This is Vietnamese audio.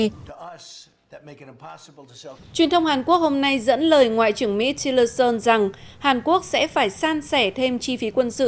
truyền thông hàn quốc hôm nay dẫn lời ngoại trưởng mỹ chilerson rằng hàn quốc sẽ phải san sẻ thêm chi phí quân sự